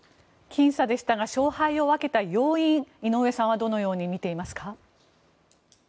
僅差でしたが勝敗を分けた要因井上さんはどのようにみていますか。